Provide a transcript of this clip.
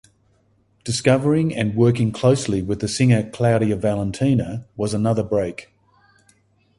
Discovering and working closely with the singer Claudia Valentina was another break.